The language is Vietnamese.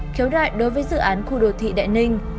khiếu đại đối với dự án khu đô thị đại ninh